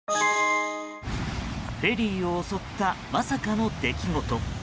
フェリーを襲ったまさかの出来事。